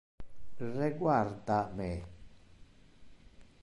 Reguarda me.